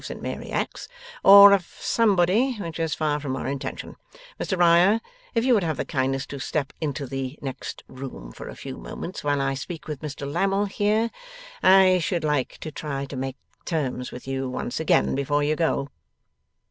Saint Mary Axe, or of somebody: which is far from our intention. Mr Riah, if you would have the kindness to step into the next room for a few moments while I speak with Mr Lammle here, I should like to try to make terms with you once again before you go.